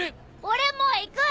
俺も行く！